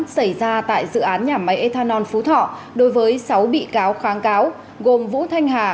xảy ra tại dự án nhà máy ethanol phú thọ đối với sáu bị cáo kháng cáo gồm vũ thanh hà